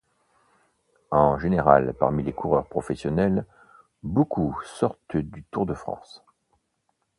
En général, parmi les coureurs professionnels, beaucoup sortent du Tour de France.